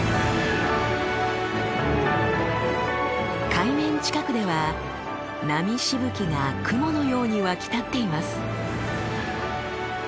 海面近くでは波しぶきが雲のように沸き立っています。